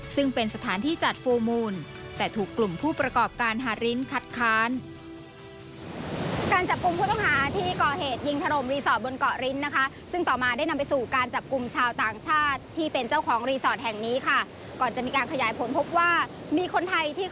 ซึ่งเป็นสถานที่จัดฟูลมูลแต่ถูกกลุ่มผู้ประกอบการหาริ้นคัดค้าน